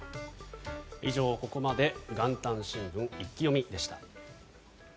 以上、ここまで元旦新聞イッキ読みでした。